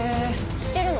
知ってるの？